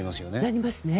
なりますね。